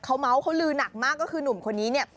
เขาเมาส์เขาลือหนักมากก็คือหนุ่มคนนี้เนี่ย